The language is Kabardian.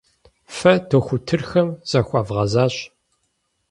Фэ дохутырхэм захуэвгъэзащ.